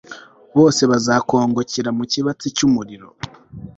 bose bazakongokera mu kibatsi cy'umuriro